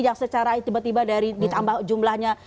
yang secara tiba tiba dari ditambah jumlahnya